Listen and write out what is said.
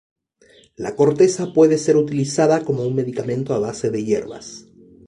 La corteza puede ser utilizada como un medicamento a base de hierbas.